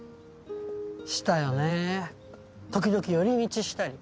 したよねぇ時々寄り道したり。